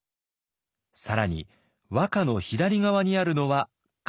更に和歌の左側にあるのは漢詩。